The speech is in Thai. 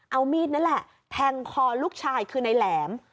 เอามีดนั่นแหละแทงคอลูกชายคือนายแหลม